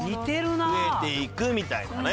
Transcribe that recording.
増えていくみたいなね。